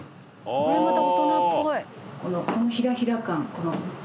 「これまた大人っぽい」